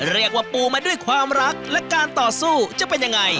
เรียกว่าปูมาด้วยความรักและการต่อสู้จะเป็นยังไง